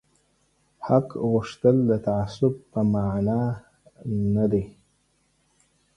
حق غوښتل د تعصب په مانا نه دي